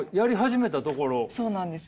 そうなんです。